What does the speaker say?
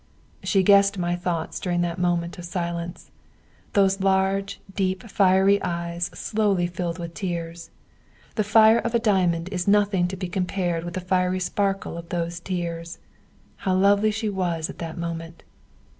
She guessed my thoughts during that moment of silence. Those large, deep fiery eyes slowly filled with tears. The fire of a diamond is nothing to be compared with the fiery sparkle of those tears. How lovely she was at that moment!